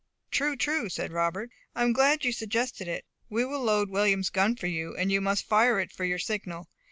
"True, true," said Robert; "I am glad you suggested it. We will load William's gun for you, and you must fire it for your signal.